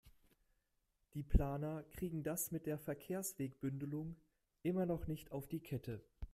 Die Planer kriegen das mit der Verkehrswegebündelung immer noch nicht auf die Kette.